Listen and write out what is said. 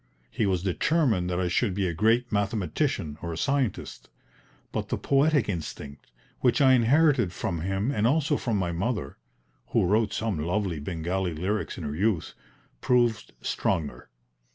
He was determined that I should be a great mathematician or a scientist, but the poetic instinct, which I inherited from him and also from my mother (who wrote some lovely Bengali lyrics in her youth) proved stronger.